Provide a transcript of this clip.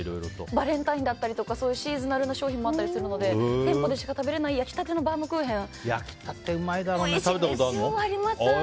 バレンタインだったりとかシーズナル商品もあったりするので店舗でしか食べれない焼きたてのバームクーヘン。